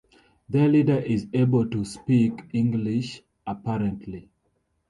Their leader is able to speak English apparently.